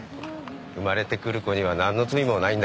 生まれてくる子には何の罪もないんだから。